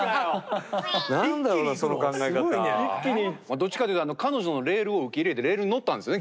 どっちかというと彼女のレールを受け入れてレールに乗ったんですね